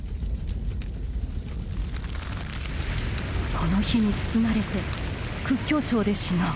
「この火に包まれて究竟頂で死のう」